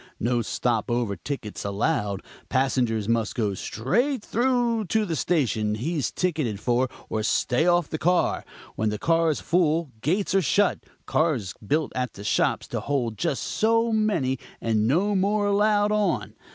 No stop over tickets allowed; passenger must go straight through to the station he's ticketed for, or stay off the car. When the car's full, gates are shut; cars built at the shops to hold just so many, and no more allowed on.